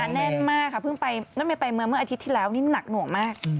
แน่นมากค่ะเพิ่งไปรถเมย์ไปเมื่ออาทิตย์ที่แล้วนี่หนักหน่วงมาก